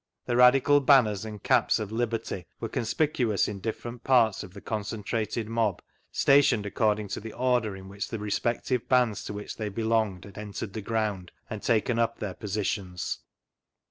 The radical banners and caps <A ■V Google STANLEY'S NARRATIVE 13 liberty were conspicuous in different parts of the concentrated mob, stationed according to the order in which the respective bands to which they belonged had entered the ground, and taken up their positions.